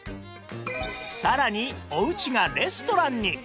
さらにおうちがレストランに